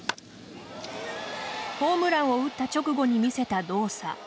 ホームランを打った直後に見せた動作。